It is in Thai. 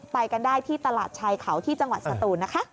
ไปกันได้ที่ตลาดชายเขาที่จังหวัดสตูนนะคะ